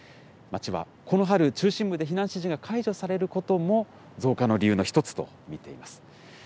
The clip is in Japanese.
町はこの春、中心部で避難指示が解除されることも増加の理由の一つと見ています。